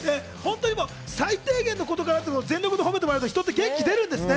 最低限のことから全力で褒めてもらえると、人って元気が出るんですね。